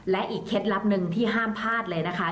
และอีกเคล็ดลับหนึ่งที่ห้ามพลาดเลยนะคะ